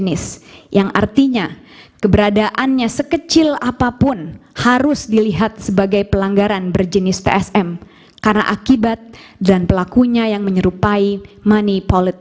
pertama pelanggaran pemilu tidak boleh ditoleransi pertama pelanggaran pemilu tidak boleh ditoleransi